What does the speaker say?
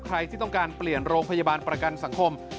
ที่ต้องการเปลี่ยนโรงพยาบาลประกันสังคม